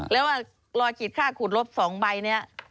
แล้วว่ารอยขีดค่าขูดลบ๒ใบนี้